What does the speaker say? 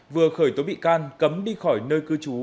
vừa khởi tố bị can cấm đi khỏi nơi cư trú